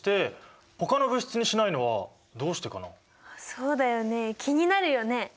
そうだよね気になるよね。